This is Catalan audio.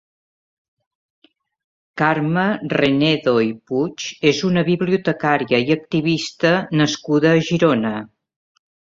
Carme Renedo i Puig és una bibliotecària i activista nascuda a Girona.